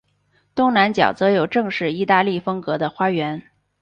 东南角则有正式意大利风格的花园。